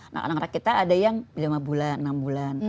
nah anak anak kita ada yang lima bulan enam bulan